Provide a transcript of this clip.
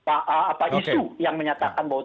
apa isu yang menyatakan bahwa